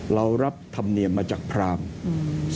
เรารับธรรมเนียมมาจากพรามอืม